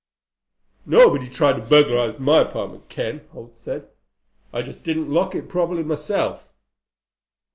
"Nobody tried to burglarize my apartment, Ken," Holt said. "I just didn't lock it properly myself."